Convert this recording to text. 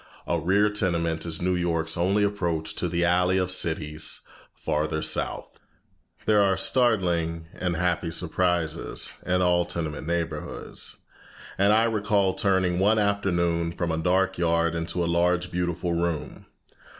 A rear tenement is New York's only approach to the alley of cities farther south. There are startling and happy surprises in all tenement neighborhoods, and I recall turning one afternoon from a dark yard into a large beautiful room.